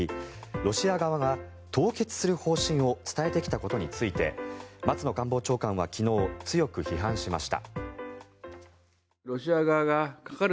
ロシア側が凍結する方針を伝えてきたことについて松野官房長官は昨日強く批判しました。